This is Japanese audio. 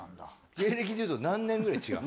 芸歴でいうと何年ぐらい違うの？